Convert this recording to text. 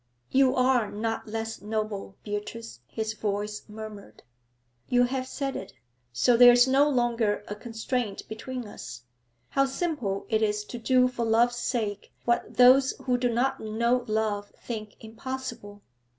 'You are not less noble, Beatrice,' his voice murmured. 'You have said it. So there is no longer a constraint between us. How simple it is to do for love's sake what those who do not know love think impossible.